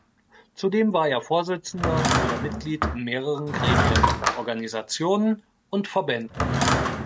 Zudem war er Vorsitzender oder Mitglied in mehreren Gremien, Organisationen und Verbänden.